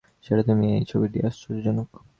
সেটা তুমি এই ছবিটি আশ্চর্যজনক।